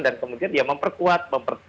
dan kemudian dia memperkuat